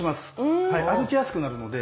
歩きやすくなるので。